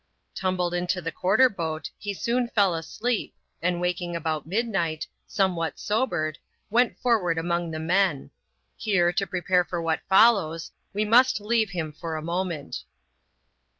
Tumbled into the quarter boat, he soon fell asleep, and waking about midnight, some what sobered, went forward among the men. Here, to prepare for what follows, we must leave him for a moment.